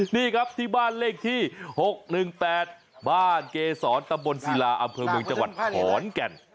นี่ครับที่บ้านเลขที่๖๑๘บ้านเกษรตำบลศิลาอำเภอเมืองจังหวัดขอนแก่น